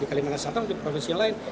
di kalimantan satu di provinsi lain